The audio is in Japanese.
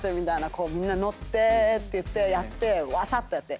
こうみんなノッてって言ってわさっとやって。